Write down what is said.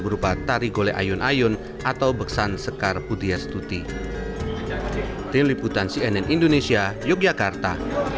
berupa tari gole ayun ayun atau besan sekar putih astuti